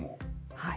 はい。